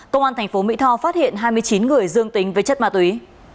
công an tp mỹ tho phát hiện hai mươi chín người dương tính với chất ma túy